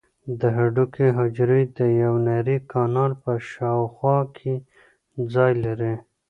د هډوکو حجرې د یو نري کانال په شاوخوا کې ځای لري.